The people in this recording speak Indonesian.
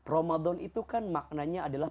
ramadan itu kan maknanya adalah